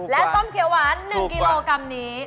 ส้มเขียวหวาน๑กิโลกรัมนี้